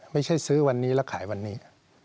ไม่ใช่ซื้อวันนี้แล้วขายวันนี้